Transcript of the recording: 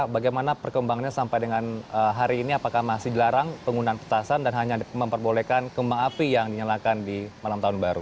bagaimana perkembangannya sampai dengan hari ini apakah masih dilarang penggunaan petasan dan hanya memperbolehkan kembang api yang dinyalakan di malam tahun baru